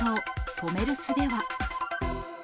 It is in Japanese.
止めるすべは？